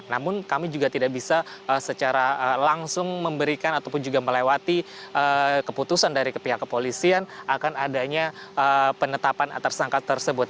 namun kami juga tidak bisa secara langsung memberikan ataupun juga melewati keputusan dari pihak kepolisian akan adanya penetapan tersangka tersebut